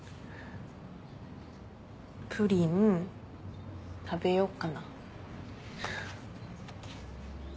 プリン食べよっかな。